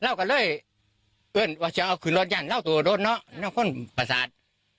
พวกผมนายยังพื้นหนังถนนไป